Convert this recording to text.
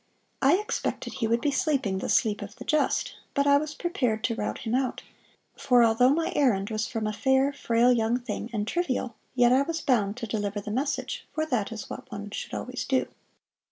I expected he would be sleeping the sleep of the just, but I was prepared to rout him out, for although my errand was from a fair, frail young thing, and trivial, yet I was bound to deliver the message for that is what one should always do.